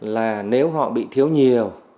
là nếu họ bị thiếu nhiều